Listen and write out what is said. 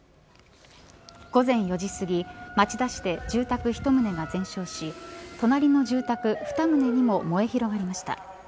午前４時すぎ、町田市で住宅１棟が全焼し隣の住宅した２棟にも燃え広がりました。